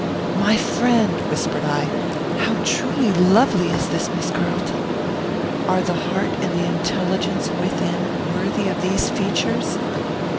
"My friend!" whispered I, "how truly lovely is this Miss Carlton! Are the heart and the intelligence within worthy of these features?"